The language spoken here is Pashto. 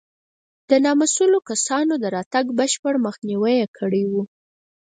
د نامسوولو کسانو د راتګ بشپړ مخنیوی یې کړی و.